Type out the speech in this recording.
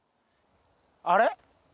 あれ？